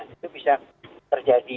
itu bisa terjadi